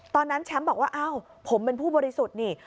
ตอนนั้นแชมป์บอกว่าอ้าวผมเป็นผู้บริสุทธิ์นี่